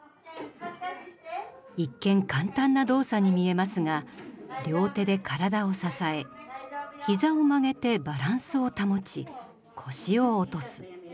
一見簡単な動作に見えますが両手で体を支え膝を曲げてバランスを保ち腰を落とす。